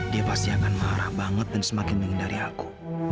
dia pasti akan marah banget dan semakin menghindari aku